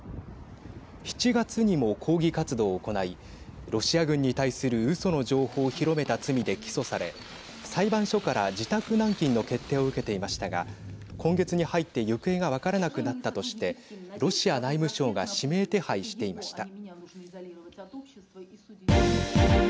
７月にも抗議活動を行いロシア軍に対するうその情報を広めた罪で起訴され裁判所から自宅軟禁の決定を受けていましたが今月に入って行方が分からなくなったとしてロシア内務省が指名手配していました。